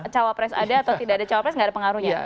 cawapres ada atau tidak ada cawapres nggak ada pengaruhnya